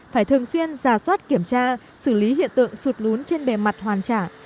phải thường xuyên giả soát kiểm tra xử lý hiện tượng sụt lún trên bề mặt hoàn trả